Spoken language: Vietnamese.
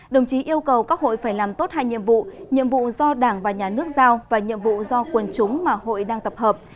đồng chí yêu cầu các hội phải làm tốt hai nhiệm vụ nhiệm vụ do đảng và nhà nước giao và nhiệm vụ do quần chúng mà hội đang tập hợp